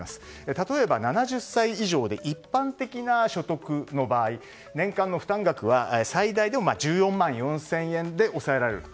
例えば７０歳以上で一般的な所得の場合年間の負担額は最大でも１４万４０００円で抑えられると。